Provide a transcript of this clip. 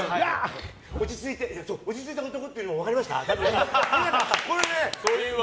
落ち着いた男って分かりました？